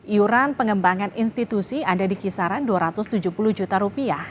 iuran pengembangan institusi ada di kisaran rp dua ratus tujuh puluh juta